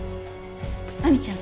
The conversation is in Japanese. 亜美ちゃん